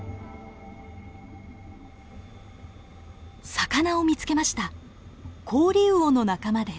魚を見つけました。